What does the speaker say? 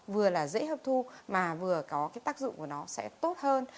vừa là dễ hợp thu mà vừa có cái tác dụng của nó sẽ tốt hơn